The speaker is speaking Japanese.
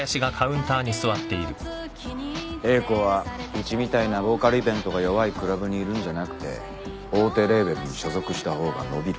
英子はうちみたいなボーカルイベントが弱いクラブにいるんじゃなくて大手レーベルに所属した方が伸びる。